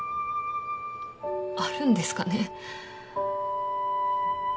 あるんですかね。